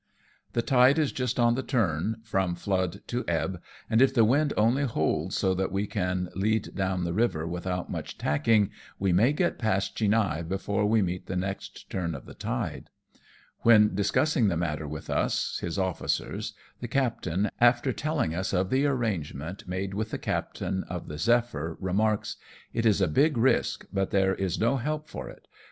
The tide is just on the turn from flood to ebb, and if the wind only holds so that we can lead down the river without much tacking, we may get past Chinhae before we meet the next turn of the tide. When RESCUING FUGITIVE CELESTIALS. 235 discussing the matter with us, his officers, the captain, after telling us of the arrangement with the captain of the Zephyr, remarks, " It is a big risk, but there is no help for it.